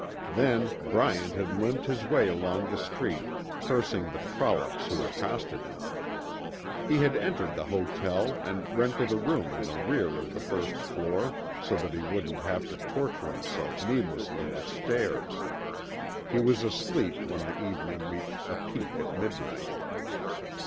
Then Bryant had limped his way along the street, cursing the trollops who accosted him. He had entered the hotel and rented a room in the rear of the first floor so that he wouldn't have to torture himself needlessly with stairs. He was asleep when the evening reached a peak at midnight.